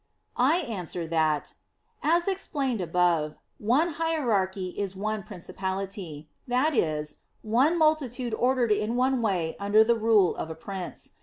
I answer that, As explained above, one hierarchy is one principality that is, one multitude ordered in one way under the rule of a prince.